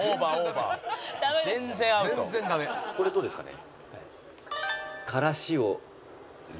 これどうですかね？